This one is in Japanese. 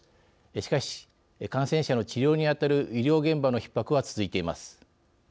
しかし、感染者の治療に当たる医療現場のひっ迫は続いています。